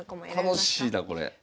楽しいなこれ。